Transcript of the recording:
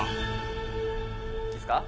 いいですか？